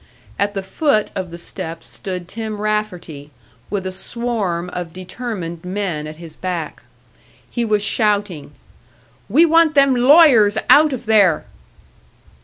At the foot of the steps stood Tim Rafferty, with a swarm of determined men at his back. He was shouting, "We want them lawyers out of there!"